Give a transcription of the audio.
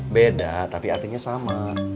beda tapi artinya sama